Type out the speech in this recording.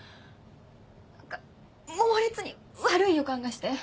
何か猛烈に悪い予感がして。